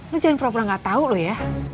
lo jangan perang perang gak tau lo ya